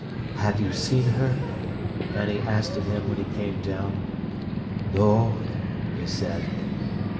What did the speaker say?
"Have you seen her?" Annie asked of him when he came down. "No," he said.